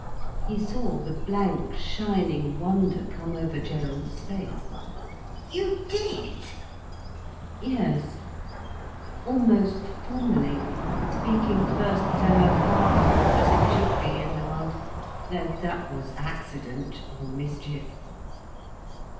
He saw the blank shining wonder come over Gerald's face. "You did?" "Yes. Almost formally—speaking first to her father, as it should be, in the world—though that was accident—or mischief."